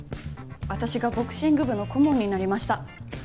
私がボクシング部の顧問になりました。